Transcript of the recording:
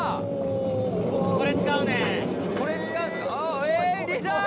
これ使うんですかえっ！